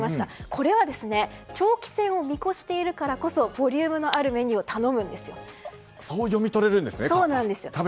これは、長期戦を見越しているからこそボリュームのあるそう読み取れるんですね。